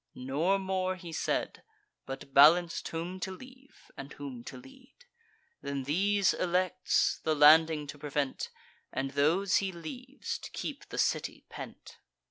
Nor more he said, But balanc'd whom to leave, and whom to lead; Then these elects, the landing to prevent; And those he leaves, to keep the city pent.